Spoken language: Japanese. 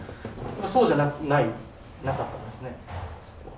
そうじゃないなかったんですねそこは。